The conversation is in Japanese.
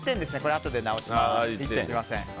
あとで直します。